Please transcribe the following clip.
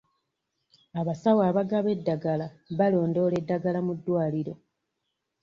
Abasawo abagaba eddagala balondoola edddagala mu ddwaliro.